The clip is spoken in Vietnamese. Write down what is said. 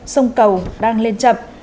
sông cầu đang lên chậm